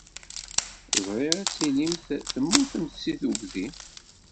Ẓriɣ ad tilimt temmutemt seg tugdi.